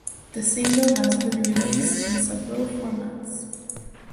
The single has been released in several formats.